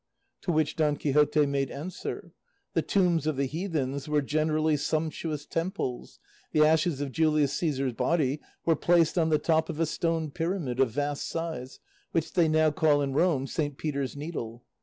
To which Don Quixote made answer: "The tombs of the heathens were generally sumptuous temples; the ashes of Julius Caesar's body were placed on the top of a stone pyramid of vast size, which they now call in Rome Saint Peter's needle.